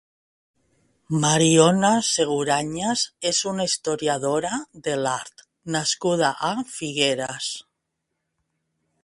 Mariona Seguranyes és una historiadora de l'art nascuda a Figueres.